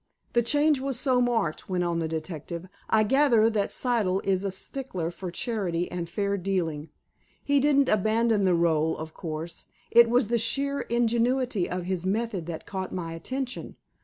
"The change was so marked," went on the detective. "I gather that Siddle is a stickler for charity and fair dealing. He didn't abandon the role, of course. It was the sheer ingenuity of his method that caught my attention.